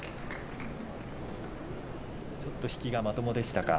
ちょっと引きがまともでしたか。